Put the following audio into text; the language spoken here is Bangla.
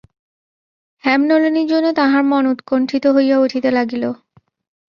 হেমনলিনীর জন্য তাঁহার মন উৎকণ্ঠিত হইয়া উঠিতে লাগিল।